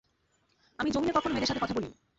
আমি জমিনে কখনো মেয়েদের সাথে কথা বলিনি।